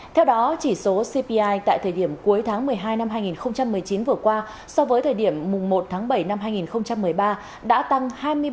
theo đó chỉ số cpi tại thời điểm cuối tháng một mươi hai năm hai nghìn một mươi chín vừa qua so với thời điểm một tháng bảy năm hai nghìn một mươi ba đã tăng hai mươi ba